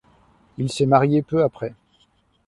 Il s'est marié peu après.